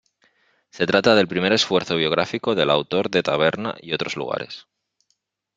Se trata del primer esfuerzo biográfico del autor de Taberna y otros lugares.